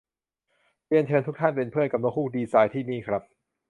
เริยญเชิญทุกท่าน เป็นเพื่อนกับนกฮูกดีไซน์ ที่นี่ครับ